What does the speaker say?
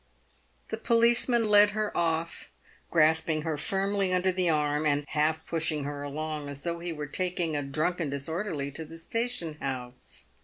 The policeman led her off, grasping her firmly under the arm, and half pushing her along, as though he were taking a " drunk and disorderly" to the station house.